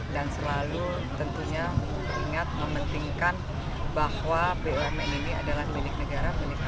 dan selalu tentunya ingat mementingkan bahwa bumn ini adalah milik negara milik rakyat